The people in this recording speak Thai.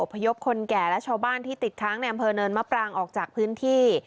พยพคนแก่และชาวบ้านที่ติดค้างในอำเภอเนินมะปรางออกจากพื้นที่